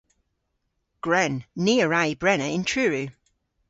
Gwren. Ni a wra y brena yn Truru.